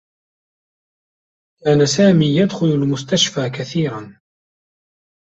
كان سامي يدخل المستشفى كثيرا.